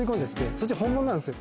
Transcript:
そっちは本物なんですよ